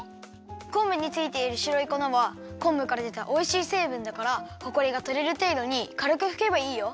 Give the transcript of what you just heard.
こんぶについているしろいこなはこんぶからでたおいしいせいぶんだからほこりがとれるていどにかるくふけばいいよ。